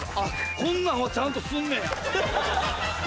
こんなんはちゃんとすんねや。